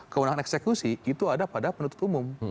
kewenangan eksekusi itu ada pada penuntut umum